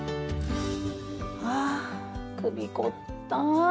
あ首凝った。